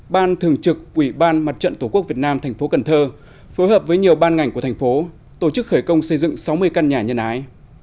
ban thường trực quỹ ban mặt trận tổ quốc việt nam tp cn phối hợp với nhiều ban ngành của thành phố tổ chức khởi công xây dựng sáu mươi căn nhà nhân ái